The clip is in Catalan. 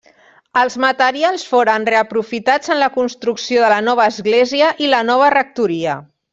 Els materials foren reaprofitats en la construcció de la nova església i la nova rectoria.